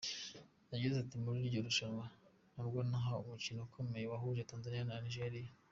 Yagize ati “Muri iryo rushanwa nabwo nahawe umukino ukomeye wahuje Tanzania na Nigeria.